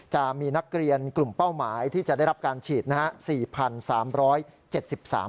จะมีนักเรียนกลุ่มเป้าหมายที่จะได้รับการฉีดนะครับ